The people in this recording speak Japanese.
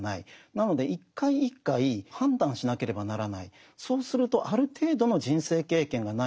なので一回一回判断しなければならない。